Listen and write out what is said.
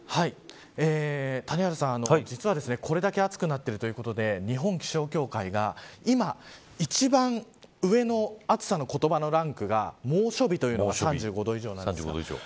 谷原さん、実はこれだけ暑くなっているということで、日本気象協会が今一番上の暑さの言葉のランクが猛暑日というのが３５度以上です。